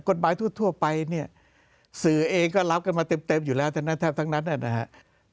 กฎหมายทั่วไปนี่สื่อเองก็รับกันมาเต็มอยู่แล้วแต่แทบนั้นนะครับ